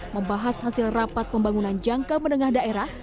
membahas hasil rapat pembangunan jangka menengah daerah